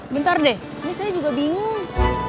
bentar deh ini saya juga bingung